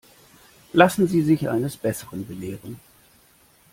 Lassen Sie sich eines Besseren belehren.